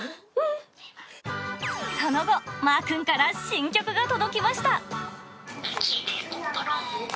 その後、まーくんから新曲が届きました。